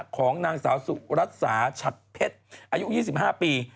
ของนางสาวสุรัสสาฉัดเพชรอายุ๒๕ปี